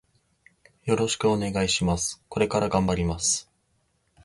よろしくお願いします。これから頑張ります。